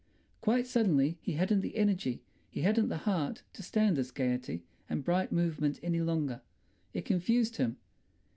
Quite suddenly he hadn't the energy, he hadn't the heart to stand this gaiety and bright movement any longer; it confused him.